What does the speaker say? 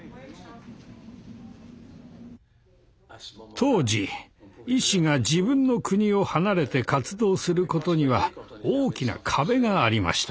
当時医師が自分の国を離れて活動することには大きな壁がありました。